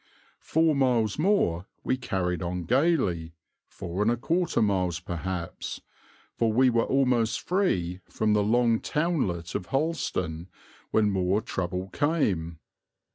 Four miles more we carried on gaily, 4 1/4 miles perhaps, for we were almost free from the long townlet of Harleston when more trouble came.